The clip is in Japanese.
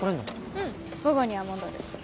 うん午後には戻る。